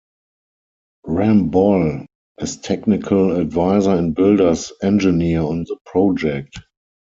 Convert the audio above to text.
Ramboll is technical advisor and builder's engineer on the project.